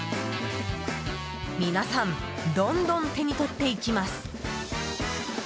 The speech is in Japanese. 皆さんどんどん手にとっていきます。